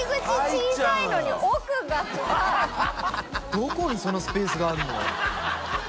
どこにそのスペースがあるの？